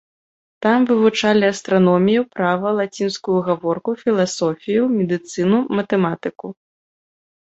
Там вывучалі астраномію, права, лацінскую гаворку, філасофію, медыцыну, матэматыку.